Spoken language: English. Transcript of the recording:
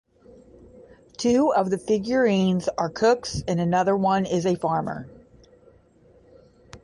Two of the figurines are cooks, and another one is a farmer.